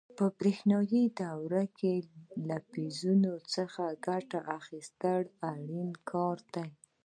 په برېښنایي دورو کې له فیوز څخه ګټه اخیستل اړین کار دی.